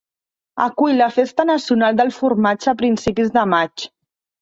Acull la festa nacional del formatge a principis de maig.